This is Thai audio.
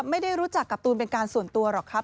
ไม่ได้รู้จักกับตูนเป็นการส่วนตัวหรอกครับ